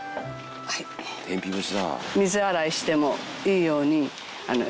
「天日干しだ」